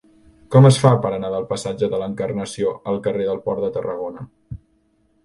Com es fa per anar del passatge de l'Encarnació al carrer del Port de Tarragona?